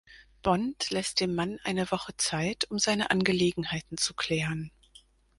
Bond lässt dem Mann eine Woche Zeit, um seine Angelegenheiten zu klären.